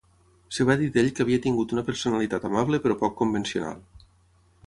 Es va dir d 'ell que havia tingut una personalitat amable però poc convencional.